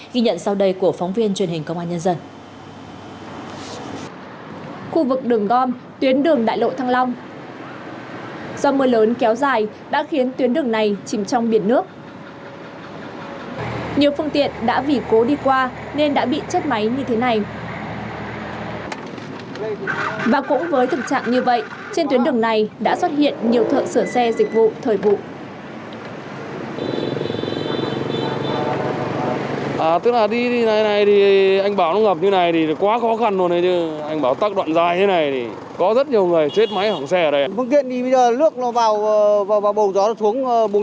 ghi nhận sau đây của phóng viên truyền hình công an nhân dân